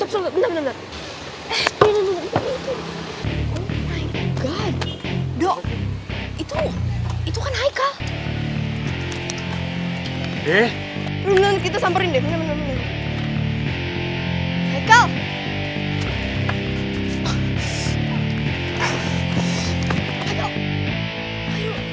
sampai jumpa di video selanjutnya